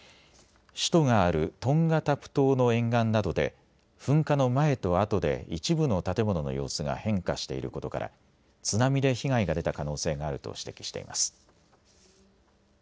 首都があるトンガタプ島の沿岸などで噴火の前とあとで一部の建物の様子が変化していることから津波で被害が出た可能性があると指摘しています。